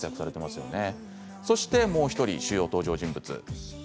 そしてもう１人、主要登場人物